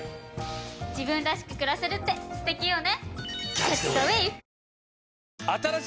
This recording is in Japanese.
自分らしく暮らせるって素敵よね。